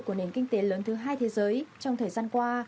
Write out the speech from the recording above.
của nền kinh tế lớn thứ hai thế giới trong thời gian qua